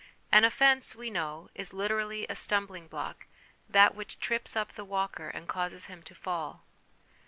An offence, we know, is literally a stumbling block, that which trips up the walker and causes him to fall.